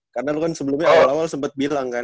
karena lu kan sebelumnya awal awal sempet bilang kan